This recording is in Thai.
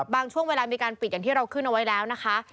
ช่วงเวลามีการปิดอย่างที่เราขึ้นเอาไว้แล้วนะคะ